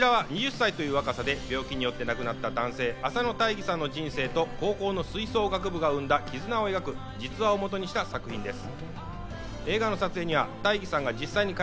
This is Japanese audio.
こちらは２０歳という若さで病気によって亡くなった男性・浅野大義さんの人生と高校の吹奏楽部が生んだ絆を描く実話を基にした作品です。